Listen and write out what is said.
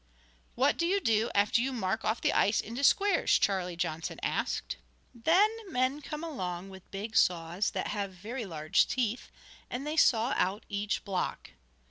"What do you do after you mark off the ice into squares?" Charlie Johnson asked. "Then men come along with big saws, that have very large teeth, and they saw out each block.